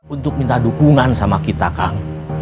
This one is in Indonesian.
untuk minta dukungan sama kita kang